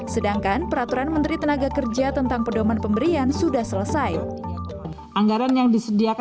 sedangkan peraturan menteri tenaga kerja tentang pedoman pemberian sudah selesai